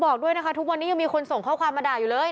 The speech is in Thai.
บอกด้วยนะคะทุกวันนี้ยังมีคนส่งข้อความมาด่าอยู่เลย